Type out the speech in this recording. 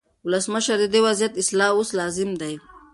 ولسمشره، د دې وضعیت اصلاح اوس لازم دی.